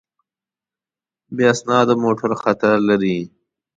بې اسنادو موټر خطر لري.